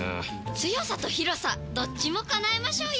強さと広さどっちも叶えましょうよ！